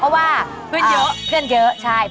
สวัสดีครับ